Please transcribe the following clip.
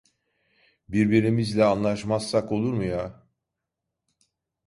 Birbirimizle anlaşmazsak olur mu ya?